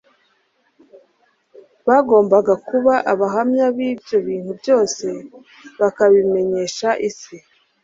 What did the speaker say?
bagombaga kuba abahamya b'ibyo bintu byose bakabimenyesha isi.